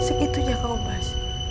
sekitunya kau bas